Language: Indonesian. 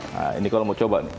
nah ini kalau mau coba nih